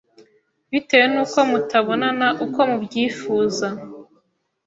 bitewe nuko mutabonana uko mubyifuza